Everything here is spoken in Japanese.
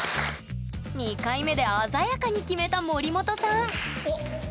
２回目で鮮やかに決めた森本さんおっ！